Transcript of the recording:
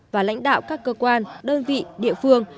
và lãnh đạo các cơ quan đơn vị địa phương